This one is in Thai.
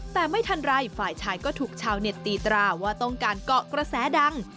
แต่ไม่ทันไรฝ่ายชายก็ถูกชาวเน็ตตีตราว่าต้องการเกาะกระแสดัง